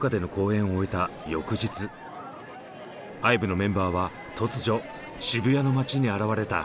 ＩＶＥのメンバーは突如渋谷の街に現れた。